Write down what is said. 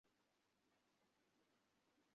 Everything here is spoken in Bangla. প্রতি পদক্ষেপে সে সূর্যের নূতন নূতন দৃশ্য দেখিবে।